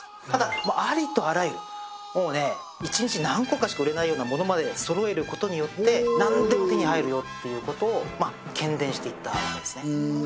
ただありとあらゆるもうね一日何個かしか売れないようなものまで揃えることによって何でも手に入るよっていうことをけんでんしていったわけですね